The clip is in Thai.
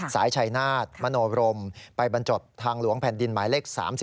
สายชัยนาฏมโนบรมไปบรรจบทางหลวงแผ่นดินหมายเลข๓๒